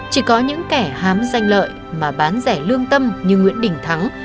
chỉ có những kẻ hám danh lợi mà bán rẻ lương tâm như nguyễn đình thắng